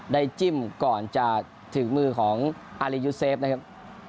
จิ้มก่อนจะถึงมือของอารียูเซฟนะครับ